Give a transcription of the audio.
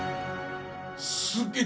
すげえ。